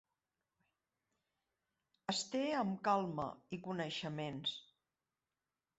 Es té am calma i coneixements